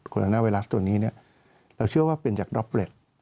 โรนาไวรัสตัวนี้เราเชื่อว่าเป็นจากด็อกเล็ต